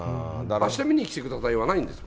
あした見にきてくださいはないんですよ。